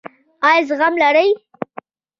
ایا زغم لرئ؟